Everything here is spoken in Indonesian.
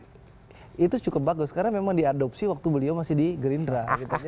itu cukup bagus karena memang diadopsi waktu beliau masih di gerindra